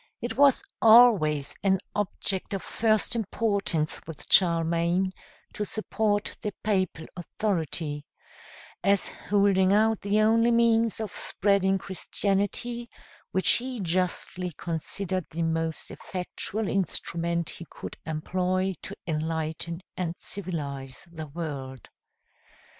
It was always an object of first importance with Charlemagne to support the papal authority, as holding out the only means of spreading Christianity, which he justly considered the most effectual instrument he could employ to enlighten and civilize the world.